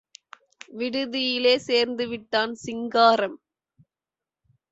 விடுதியிலே சேர்ந்து விட்டான் சிங்காரம்.